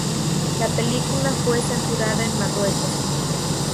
La película fue censurada en Marruecos.